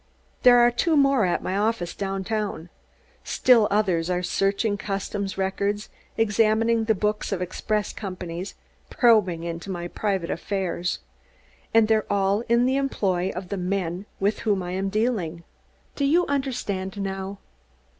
There are two more at my office downtown; still others are searching customs records, examining the books of the express companies, probing into my private affairs. And they're all in the employ of the men with whom I am dealing. Do you understand now?"